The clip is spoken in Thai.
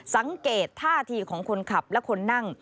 สังเกตท่าทีของคนขับและคนนั่ง